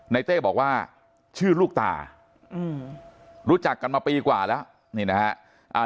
ในเต้บอกว่าชื่อลูกตารู้จักกันมาปีกว่าแล้ว